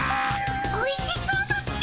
おいしそうだっピ。